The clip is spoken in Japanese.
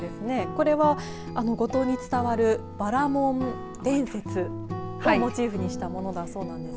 これは五島に伝わるばらもん伝説をモチーフにしたそうです。